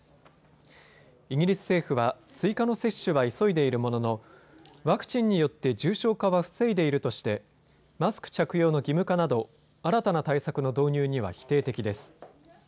イギリス政府は追加の接種は急いでいるもののワクチンによって重症化は防いでいるとしてマスク着用の義務化など新たな対策の導入には否定的です。